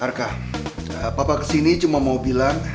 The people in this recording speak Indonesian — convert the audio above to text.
rk papa kesini cuma mau bilang